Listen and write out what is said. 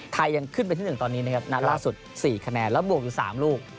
ยังขึ้นเป็นที่๑ตอนนี้นะครับนัดล่าสุด๔คะแนนแล้วบวกอยู่๓ลูก